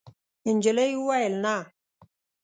نجلۍ وویل: «نه.»